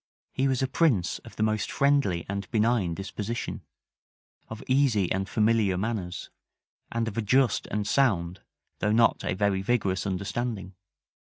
He was a prince of the most friendly and benign disposition, of easy and familiar manners, and of a just and sound, though not a very vigorous understanding.